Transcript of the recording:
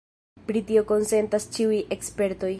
Pri tio konsentas ĉiuj ekspertoj.